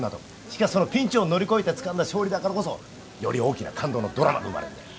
しかしそのピンチを乗り越えてつかんだ勝利だからこそより大きな感動のドラマが生まれるんだよ。